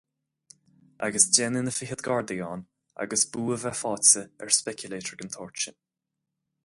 Agus deich nduine fichead Gardaí ann agus bua a bheith faighte ar speculator den tsórt sin.